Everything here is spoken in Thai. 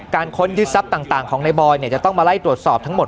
ค้นยึดทรัพย์ต่างของในบอยจะต้องมาไล่ตรวจสอบทั้งหมด